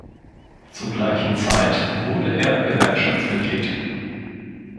Zur gleichen Zeit wurde er Gewerkschaftsmitglied.